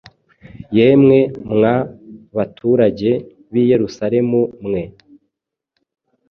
Yemwe mwa baturage b’i Yerusalemu mwe,